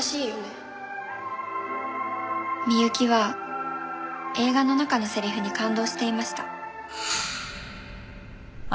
美雪は映画の中のセリフに感動していました。